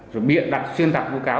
rồi biện đặt xuyên tạp vô cáo